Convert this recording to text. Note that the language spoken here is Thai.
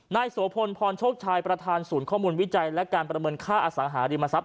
โสพลพรโชคชัยประธานศูนย์ข้อมูลวิจัยและการประเมินค่าอสังหาริมทรัพย